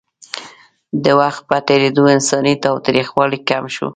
د وخت په تېرېدو انساني تاوتریخوالی کم شو.